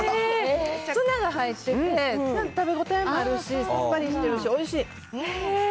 ツナが入ってて、食べ応えもあるし、さっぱりしてるし、おいしい。